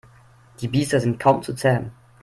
Die Biester sind kaum zu zähmen.